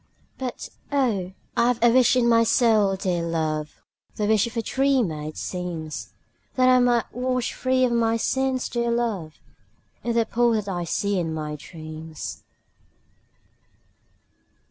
But, oh, I 've a wish in my soul, dear love, (The wish of a dreamer, it seems,) That I might wash free of my sins, dear love, In the pool that I see in my dreams.